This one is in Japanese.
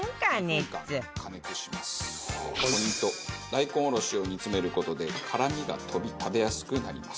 大根おろしを煮詰める事で辛みが飛び食べやすくなります。